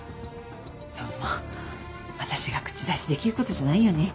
でもまあ私が口出しできることじゃないよね。